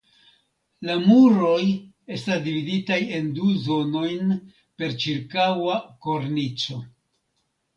La muroj estas dividitaj en du zonojn per ĉirkaŭa kornico.